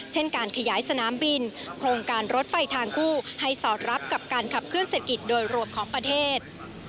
เช่นการขยายสนามบินโครงการรถไฟทางคู่ให้สอดรับกับการขับเคลื่อเศรษฐกิจโดยรวมของประเทศ